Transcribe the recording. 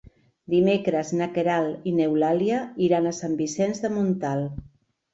Dimecres na Queralt i n'Eulàlia iran a Sant Vicenç de Montalt.